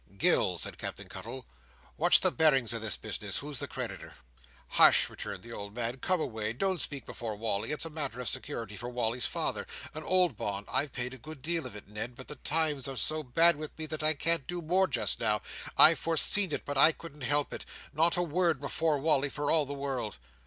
"Gills," said Captain Cuttle, "what's the bearings of this business? Who's the creditor?" "Hush!" returned the old man. "Come away. Don't speak before Wally. It's a matter of security for Wally's father—an old bond. I've paid a good deal of it, Ned, but the times are so bad with me that I can't do more just now. I've foreseen it, but I couldn't help it. Not a word before Wally, for all the world."